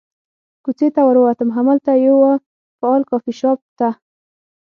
کوڅې ته ور ووتم، همالته یوه فعال کافي شاپ ته.